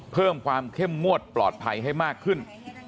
เพิ่มความเข้มงวดปลอดภัยให้มากขึ้น